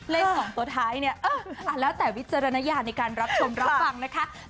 เลข๒ตัวท้ายเนี่ยแล้วแต่วิจารณญาณในการรับชมรับฟังนะคะ